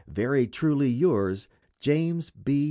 Very truly yours, JAMES B.